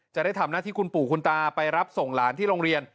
จะได้ทำหน้าที่คุณปู่คุณตาไปรับส่งหลานที่โรงเรียน